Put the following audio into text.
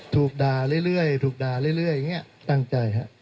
ถูกด่าเรื่อยเห็นไงตั้งใจฮะ